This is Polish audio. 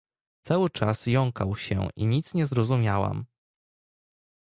Cały czas jąkał się i nic nie zrozumiałam.